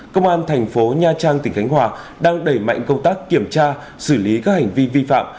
công an thành phố nha trang tỉnh khánh hòa đang đẩy mạnh công tác kiểm tra xử lý các hành vi vi phạm